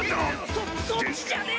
そそっちじゃねえ！